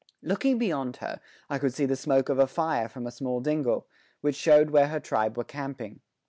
Looking beyond her, I could see the smoke of a fire from a small dingle, which showed where her tribe were camping.